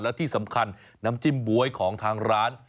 และที่สำคัญน้ำจิ้มบ๊วยของทางร้าน